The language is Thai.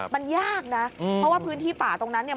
มันยากนะเพราะว่าพื้นที่ป่าตรงนั้นเนี่ย